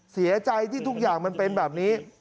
เสียใจที่ทุกอย่างมันเป็นแบบนี้